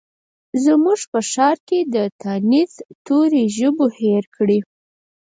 زموږ په ښارکې د تانیث توري ژبو هیر کړي